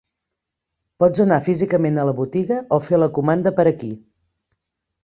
Pots anar físicament a la botiga o fer la comanda per aquí.